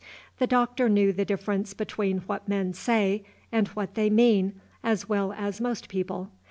The Doctor knew the difference between what men say and what they mean as well as most people.